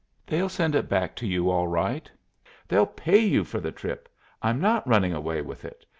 "They'll send it back to you all right. They'll pay you for the trip. I'm not running away with it.